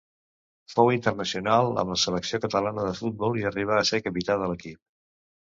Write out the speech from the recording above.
Fou internacional amb la selecció Catalana de Futbol, i arribà a ser capità de l'equip.